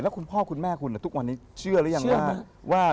คุณพ่อคุณแม่คุณทุกวันนี้เชื่อหรือยังว่า